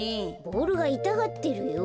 ボールがいたがってるよ。